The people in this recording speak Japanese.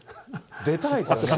出たい？